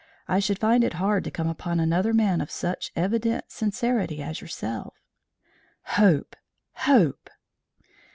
I should find it hard to come upon another man of such evident sincerity as yourself." "Hope! Hope!"